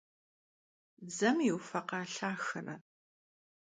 Dzem yiufekha lhaxere